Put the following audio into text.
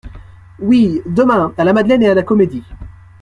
Oui, demain, à la Madeleine et à la Comédie.